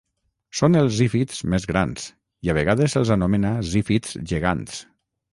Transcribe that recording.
Són els zífids més grans i a vegades se'ls anomena zífids gegants.